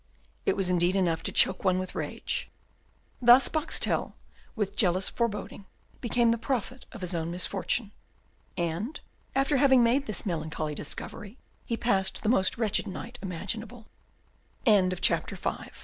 It was indeed enough to choke one with rage. Thus Boxtel, with jealous foreboding, became the prophet of his own misfortune. And, after having made this melancholy discovery, he passed the most wretched night imaginable. Chapter 6.